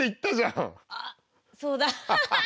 あっそうだ。